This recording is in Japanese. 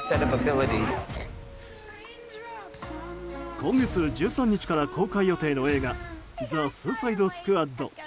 今月１３日から公開予定の映画「ザ・スーサイド・スクワッド」